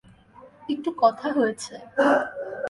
একটু কথা হয়েছে।